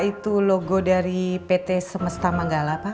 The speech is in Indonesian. itu logo dari pt semesta manggala pak